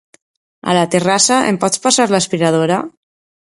A la terrassa, em pots passar l'aspiradora?